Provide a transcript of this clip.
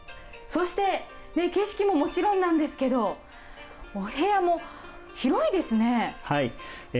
そして景色ももちろんなんですけどお部屋も広いですね。